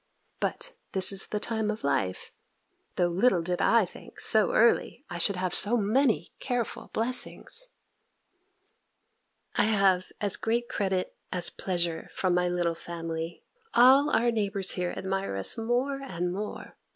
But this is the time of life. Though little did I think, so early, I should have so many careful blessings! I have as great credit as pleasure from my little family. All our neighbours here admire us more and more.